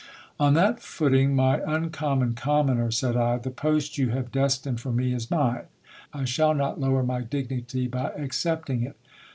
On that footing, my uncommon commoner, said I, the post you have destined for me is mine : I shall not lower my dignity by accepting it.